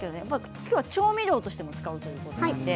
今日は調味料としても使うそうです。